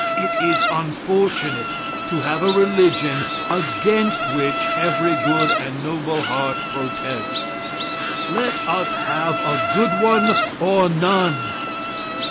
It is unfortunate to have a religion against which every good and noble heart protests. Let us have a good one or none.